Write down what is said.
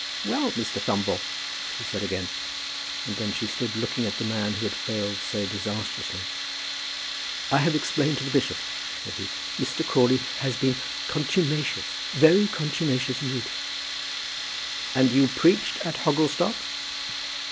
"Well, Mr. Thumble?" she said again; and then she stood looking at the man who had failed so disastrously. "I have explained to the bishop," said he. "Mr. Crawley has been contumacious, very contumacious indeed." "But you preached at Hogglestock?"